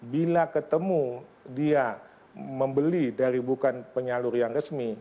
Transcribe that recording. bila ketemu dia membeli dari bukan penyalur yang resmi